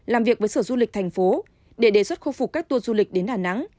làm việc với sở du lịch thành phố để đề xuất khôi phục các tour du lịch đến đà nẵng